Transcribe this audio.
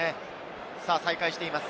再開しています。